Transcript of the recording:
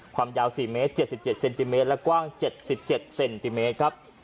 ความยาว๔เมตร๗๗เซนติเมตรและกว้าง๗๗เซนติเมตรครับ